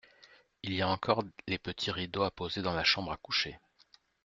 Il y a encore les petits rideaux à poser dans la chambre à coucher.